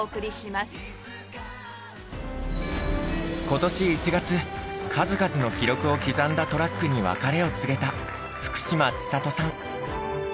今年１月数々の記録を刻んだトラックに別れを告げた福島千里さん。